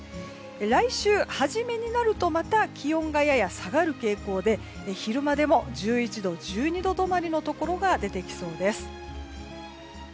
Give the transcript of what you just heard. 来週初めになるとまた気温がやや下がる傾向で昼間でも１１度、１２度止まりのところが出てきそうです。